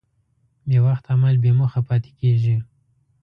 بېوخت عمل بېموخه پاتې کېږي.